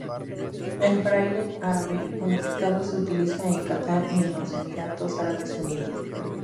El braille árabe unificado se utiliza en Qatar y en los Emiratos Árabes Unidos.